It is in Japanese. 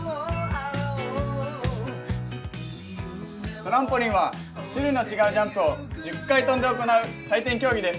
トランポリンは種類の違うジャンプを１０回跳んで行う採点競技です。